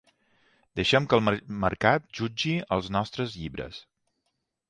Deixem que el mercat jutgi els nostres llibres.